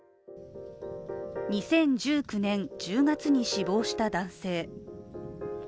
２０１９年１０月に死亡した男性。